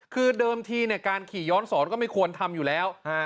คือเดิมทีการขี่ย้อนสอนก็ไม่ควรทำอยู่แล้ว